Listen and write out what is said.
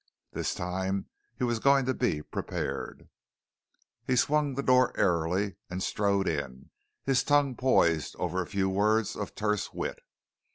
This time he was going to be prepared. He swung the door airily and strode in, his tongue poised over a few words of terse wit.